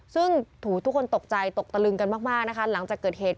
ซึ่งทุกคนตกใจตกตะลึงกันมากนะคะหลังจากเกิดเหตุ